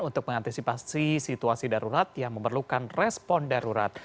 untuk mengantisipasi situasi darurat yang memerlukan respon darurat